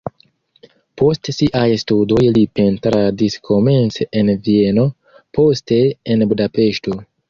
Post siaj studoj li pentradis komence en Vieno, poste en Budapeŝto.